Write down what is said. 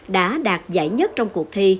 đã đạt giải nhất trong cuộc thi